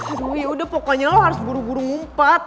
aduh yaudah pokoknya lo harus buru buru ngumpet